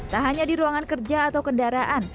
tak hanya di ruangan kerja atau kendaraan